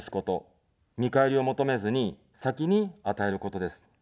見返りを求めずに、先に与えることです。